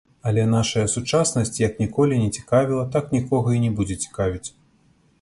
Але нашая сучаснасць, як ніколі не цікавіла, так нікога і не будзе цікавіць.